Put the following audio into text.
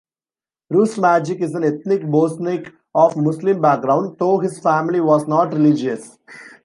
Rustemagic is an ethnic Bosniak of Muslim background, though his family was not religious.